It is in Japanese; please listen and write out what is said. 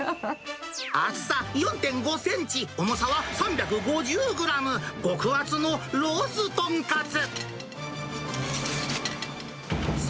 厚さ４．５センチ、重さは３５０グラム、極厚のロース豚カツ。